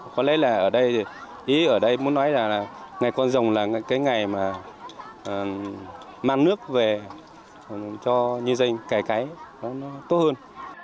có lẽ là ở đây ý ở đây muốn nói là ngày quan dòng là cái ngày mà mang nước về cho nhân dân cải cái nó tốt hơn